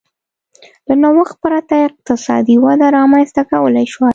له نوښت پرته اقتصادي وده رامنځته کولای شوای.